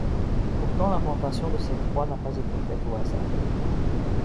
Pourtant l'implantation de ces croix n'a pas été faite au hasard.